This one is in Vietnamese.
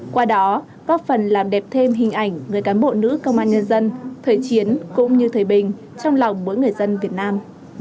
qua đó góp phần làm đẹp thêm hình ảnh người cán bộ nữ công an nhân dân thời chiến cũng như thời bình trong lòng mỗi người dân việt nam